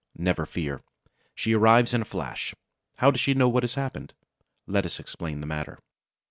Never fear. She arrives in a flash. How does she know what has happened? Let us explain the matter.